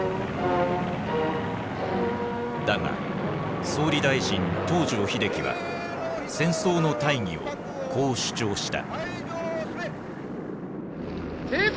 だが総理大臣東條英機は戦争の大義をこう主張した。